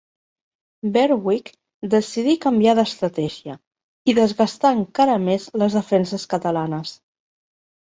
Berwick decidí canviar d'estratègia i desgastar encara més les defenses catalanes.